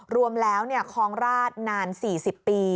รวมแล้วคลองราชนาน๔๐ปี